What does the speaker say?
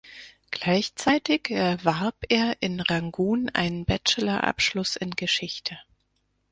Gleichzeitig erwarb er in Rangun einen Bachelorabschluss in Geschichte.